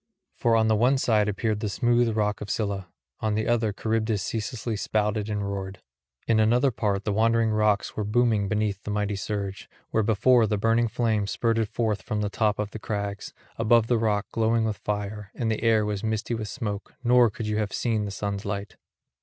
For on one side appeared the smooth rock of Scylla; on the other Charybdis ceaselessly spouted and roared; in another part the Wandering rocks were booming beneath the mighty surge, where before the burning flame spurted forth from the top of the crags, above the rock glowing with fire, and the air was misty with smoke, nor could you have seen the sun's light.